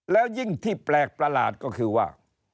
แล้วยิ่งที่แปลกประหลาดก็คือว่า